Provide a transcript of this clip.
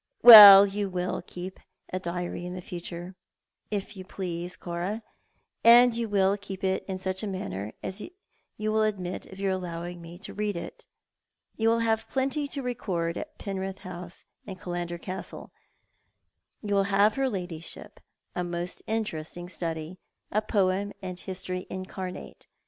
" Well, you will keep a diary in future, if you please, Cora; and you will keep it in such a manner as will admit of your allowing me to read it. You will have plenty to record at Penrith House and Killander Castle. You will have her ladyship — a most interesting study, a poem and a history incarnate.